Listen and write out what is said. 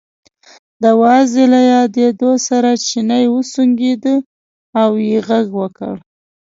د وازدې له یادولو سره چیني وسونګېده او یې غږ وکړ.